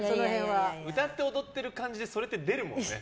歌って踊ってる感じでそれって出るもんね。